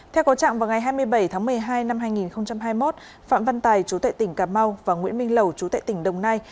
theo có trạng vào ngày hai mươi bảy tháng một mươi hai năm hai nghìn hai mươi một phạm văn tài chú tệ tỉnh cà mau và nguyễn minh lẩu chú tại tỉnh đồng nai